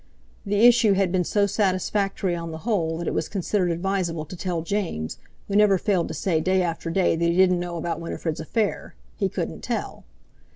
The issue had been so satisfactory on the whole that it was considered advisable to tell James, who never failed to say day after day that he didn't know about Winifred's affair, he couldn't tell.